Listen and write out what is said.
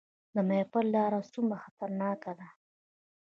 د ماهیپر لاره څومره خطرناکه ده؟